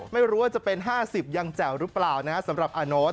ไม่รู้ว่าจะเป็น๕๐ยังแจ่วหรือเปล่านะสำหรับอาโน๊ต